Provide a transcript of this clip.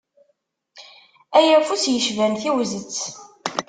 Ay afus yecban tiwzet.